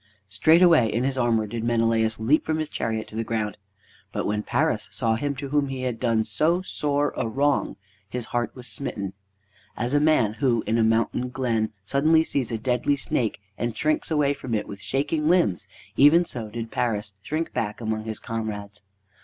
Straightway, in his armor, did Menelaus leap from his chariot to the ground. But when Paris saw him to whom he had done so sore a wrong, his heart was smitten. As a man who, in a mountain glen, suddenly sees a deadly snake and shrinks away from it with shaking limbs, even so did Paris shrink back among his comrades.